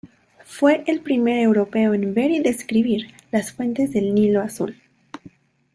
Fue el primer europeo en ver y describir las fuentes del Nilo Azul.